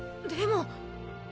でも！